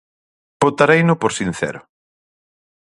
Votareino por sincero.